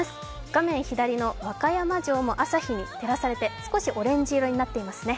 画面左の和歌山城も朝日に照らされて少しオレンジ色になっていますね。